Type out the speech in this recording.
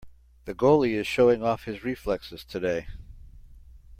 The goalie is showing off his reflexes today.